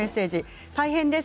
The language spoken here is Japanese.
大変です。